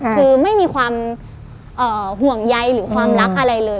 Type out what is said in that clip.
คือไม่มีความห่วงใยหรือความรักอะไรเลย